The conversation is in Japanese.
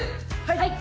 はい。